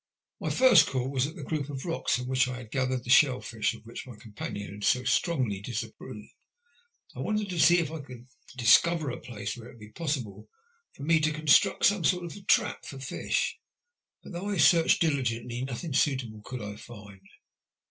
My first call was at the group of rocks from which I had gathered the shellfish of which my companion had so strongly disapproved. I wanted to see if I could discover a place where it would be possible for me to IHB SALVAGES. 1M; construct some sort of a trap for fish. But though I searched diligently, nothing suitable could I find.